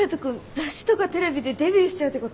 雑誌とかテレビでデビューしちゃうってこと？